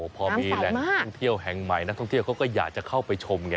พอมีแหล่งท่องเที่ยวแห่งใหม่นักท่องเที่ยวเขาก็อยากจะเข้าไปชมไง